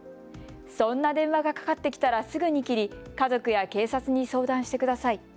そんな電話がかかってきたらすぐに切り、家族や警察に相談してください。